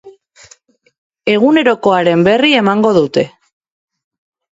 Egunerokoaren berri emango dute.